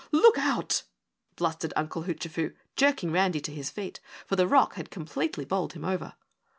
"Look out!" blustered Uncle Hoochafoo, jerking Randy to his feet, for the rock had completely bowled him over.